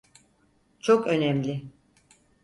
Çok önemli.